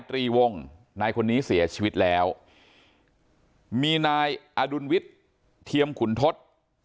ตรีวงนายคนนี้เสียชีวิตแล้วมีนายอดุลวิทย์เทียมขุนทศ